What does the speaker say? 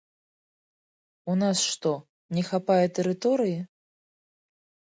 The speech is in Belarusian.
У нас што, не хапае тэрыторыі?